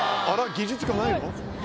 技術がないの？